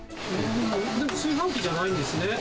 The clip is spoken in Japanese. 炊飯器じゃないんですね。